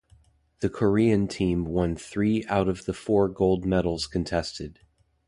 The Korean team won three out of the four gold medals contested.